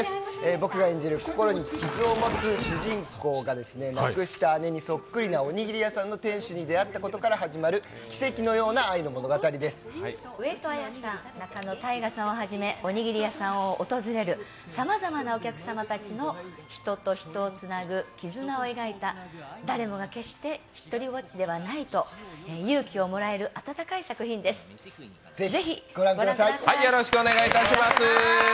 僕が演じる心に傷を持つ主人公が亡くした姉にそっくりなおにぎり屋さんの店主に出会ったことから始まる奇跡のような上戸彩さん、仲野太賀さんが演じるおにぎり屋さんを訪れるさまざまな人たちの人と人をつなぐ絆を描いた誰もがひとりぼっちではないと勇気をもらえるあたたかい作品です、ぜひご覧ください。